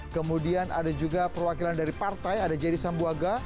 kemudian ada juga perwakilan dari partai ada jadisambuaga